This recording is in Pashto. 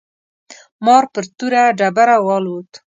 مار پر توره ډبره والوت.